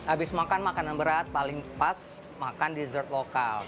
abis makan makanan berat paling pas makan dessert lokal